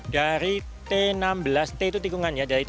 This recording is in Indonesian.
dari t enam belas t itu tikungannya dari t enam belas ke t lima